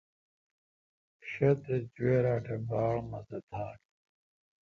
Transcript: شہ تے جویراٹ اے° باڑ مزہ تھال۔